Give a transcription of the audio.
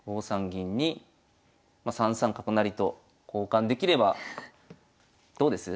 銀に３三角成と交換できればどうです？